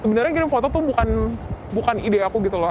sebenarnya kirim foto tuh bukan ide aku gitu loh